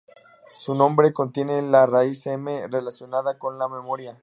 Su nombre contiene la raíz "mn-", relacionada con la memoria.